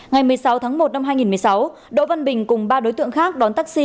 ngày một mươi sáu tháng một năm hai nghìn một mươi sáu đỗ văn bình cùng ba đối tượng khác đón taxi